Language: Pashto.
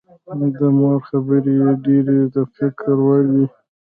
د مور خبرې یې ډېرې د فکر وړ وې